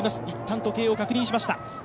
いったん時計を確認しました。